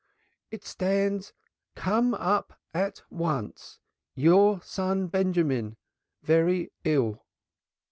"It stands, 'Come up at once. Your son Benjamin very ill.'"